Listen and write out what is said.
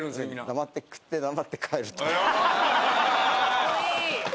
かっこいい。